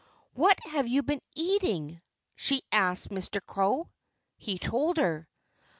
"What have you been eating?" she asked Mr. Crow. He told her.